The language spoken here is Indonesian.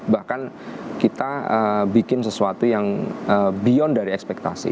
bahkan kita bikin sesuatu yang beyond dari ekspektasi